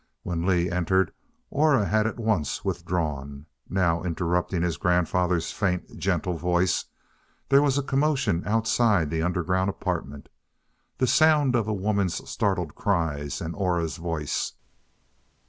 When Lee entered, Aura had at once withdrawn. Now, interrupting his grandfather's faint, gentle voice there was a commotion outside the underground apartment. The sound of women's startled cries, and Aura's voice.